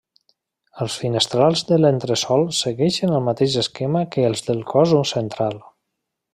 Els finestrals de l'entresòl segueixen el mateix esquema que els del cos central.